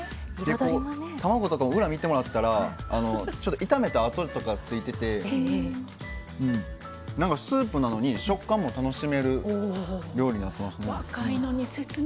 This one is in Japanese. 卵とかも、裏を見てもらったら炒めたあととかついててスープなのに食感も楽しめる料理になってますね。